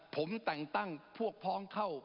ผมแต่งตั้งพวกพ้องเข้า